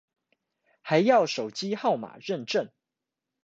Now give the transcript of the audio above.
還要手機號碼認證